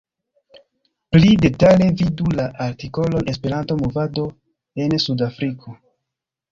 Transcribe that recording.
Pli detale vidu la artikolon "Esperanto-movado en Sud-Afriko".